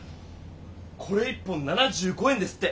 これ１本７５円ですって。